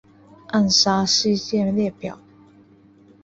暗杀事件列表